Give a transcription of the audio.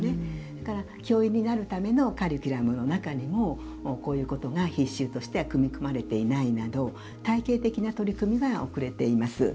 だから、教員になるためのカリキュラムの中にもこういうことが必修として組み込まれていないなど体系的な取り組みが遅れています。